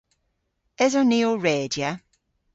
Eson ni ow redya?